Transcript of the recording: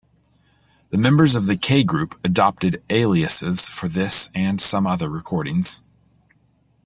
The members of the K Group adopted aliases for this and some other recordings.